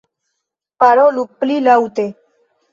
Parolu pli laŭte.